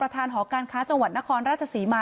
ทางหอการค้าจังหวัดนครราชศรีมา